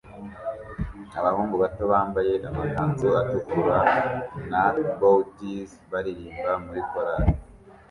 Abahungu bato bambaye amakanzu atukura na bowties baririmba muri korari